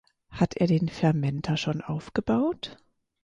Hat er den Fermenter schon aufgebaut?